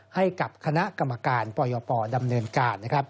ให้กับคณะกรรมการปยปดำเนินการ